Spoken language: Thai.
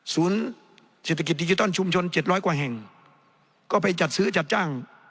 เศรษฐกิจดิจิทัลชุมชนเจ็ดร้อยกว่าแห่งก็ไปจัดซื้อจัดจ้าง